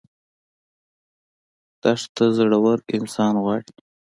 دښته زړور انسان غواړي.